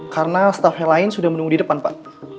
karena staff yang lain sudah menunggu di depan pak